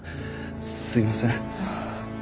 すいません。